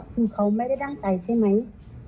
คือเขาไม่ได้ตั้งใจใช่ไหม